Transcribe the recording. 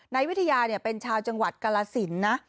นายวิทยาเป็นชาวจังหวัดกรสินนะ